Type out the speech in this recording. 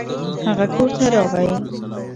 هغه کور ته راغی.